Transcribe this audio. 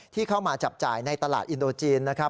ที่เข้ามาจับจ่ายในตลาดอินโดจีนนะครับ